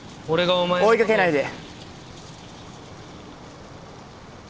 追いかけないで。